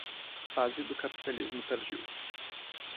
Fase do capitalismo tardio